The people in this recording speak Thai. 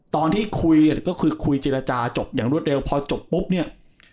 ตอนที่คุยก็คือคุยเจรจาจบอย่างรวดเร็วพอจบปุ๊บเนี่ย